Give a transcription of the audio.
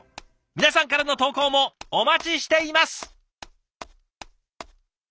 皆さんからの投稿もお待ちしています！